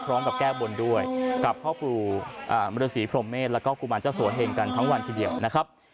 พร้อมกับแก้บนด้วยกับพ่อปู่มรสีพรมเมษแล้วก็กุมารเจ้าสัวเฮงกันทั้งวันทีเดียวนะครับ